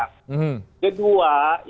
tidak ada yang menurut saya